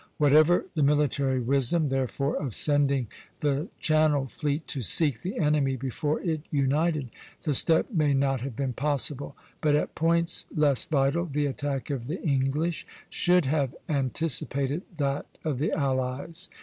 Whatever the military wisdom, therefore, of sending the Channel fleet to seek the enemy before it united, the step may not have been possible. But at points less vital the attack of the English should have anticipated that of the allies.